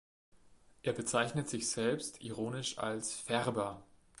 Er bezeichnet sich selbst ironisch als „Färber“.